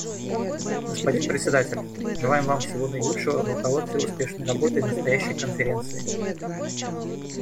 Господин Председатель, желаем Вам всего наилучшего в руководстве успешной работой настоящей Конференции.